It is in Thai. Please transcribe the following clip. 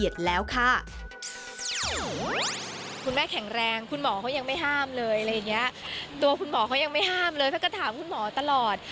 ตัวคุณหมอเขายังไม่ห้ามเลยเขาก็ถามคุณหมอตลอด